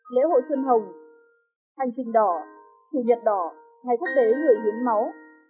lễ hội xuân hồng hành trình đỏ chủ nhật đỏ ngày quốc tế người hiến máu